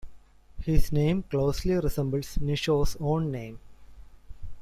His name closely resembles Necho's own name.